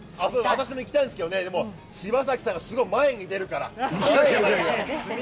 私もいきたいんですけど、柴崎さんが前に出るから。